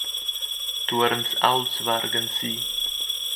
Tuorns aults vargan si.